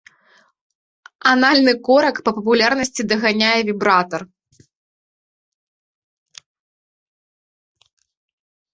Анальны корак па папулярнасці даганяе вібратар.